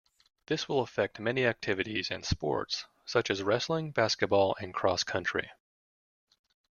This will affect many activities and sports such as wrestling, basketball, and cross-country.